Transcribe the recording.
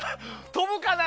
飛ぶかな？